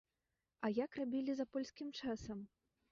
А як рабілі за польскім часам?